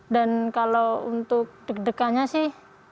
dan kalau untuk deg degannya sih